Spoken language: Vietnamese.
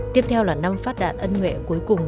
tiếp theo là năm phát đạn ân nhuệ cuối cùng